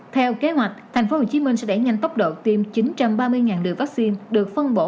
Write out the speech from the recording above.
theo kế hoạch tp hcm sẽ đẩy nhanh tốc độ tiêm chín trăm ba mươi liều vaccine được phân bổ